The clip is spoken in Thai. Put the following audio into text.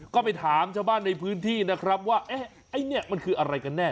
ก็ไปถามชาวบ้านในพื้นที่นะครับว่าเอ๊ะไอ้เนี่ยมันคืออะไรกันแน่